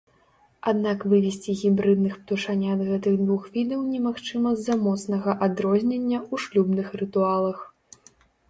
Аднак вывесці гібрыдных птушанят гэтых двух відах немагчыма з-за моцнага адрознення ў шлюбных рытуалах.